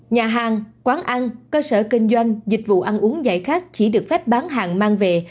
nhà hàng quán ăn cơ sở kinh doanh dịch vụ ăn uống giải khát chỉ được phép bán hàng mang về